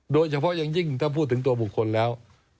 โดยเฉพาะอย่างยิ่งถ้าพูดถึงตัวบุคคลแล้ว